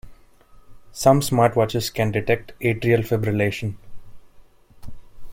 Some smartwatches can detect atrial fibrillation.